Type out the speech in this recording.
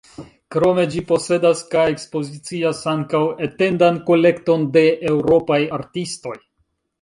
Krome ĝi posedas kaj ekspozicias ankaŭ etendan kolekton de eŭropaj artistoj.